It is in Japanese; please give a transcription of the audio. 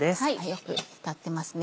よくひたってますね。